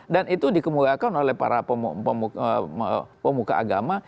dan itu dikemukakan oleh para pemuka agama